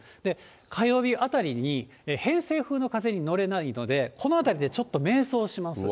火曜日あたりに偏西風の風に乗れないので、この辺りでちょっと迷走します。